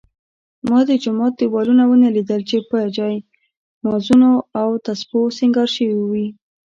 ما د جومات دېوالونه ونه لیدل چې په جالمازونو او تسپو سینګار شوي وي.